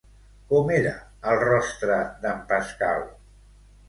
Com era el rostre d'en Pascal?